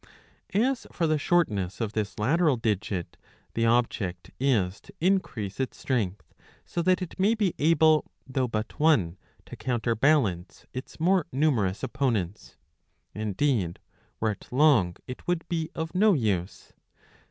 As for the shortness of this lateral digit, the object is to increase its strength, so that it may be able, though but one, to counter balance its more numerous opponents. Indeed were it long it would be of no use.